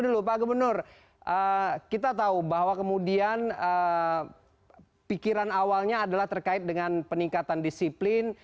dulu pak gubernur kita tahu bahwa kemudian pikiran awalnya adalah terkait dengan peningkatan disiplin